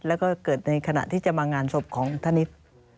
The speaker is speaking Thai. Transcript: แล้วก็เกิดในขณะที่จะมางานศพของธนิษฐ์